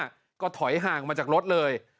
ก็ถอยห่างมาจากรถเลย